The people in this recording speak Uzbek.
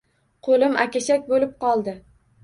Qo‘lim akashak bo‘lib qoldi.